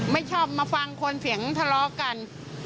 ไม่ชอบมาฟังคนเสียงทะเลาะกัน